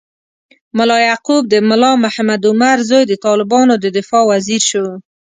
ملا یعقوب، د ملا محمد عمر زوی، د طالبانو د دفاع وزیر شو.